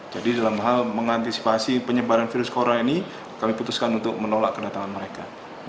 jadi dalam hal mengantisipasi penyebaran virus corona ini kami putuskan untuk menolak kedatangan mereka